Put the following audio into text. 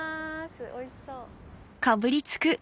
おいしそう。